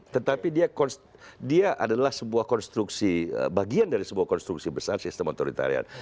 tetapi dia adalah sebuah konstruksi bagian dari sebuah konstruksi besar sistem otoritarian